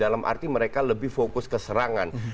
dalam arti mereka lebih fokus ke serangan